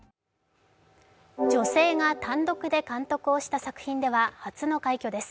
女性が単独で監督をした作品では初の快挙です。